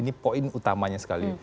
ini poin utamanya sekali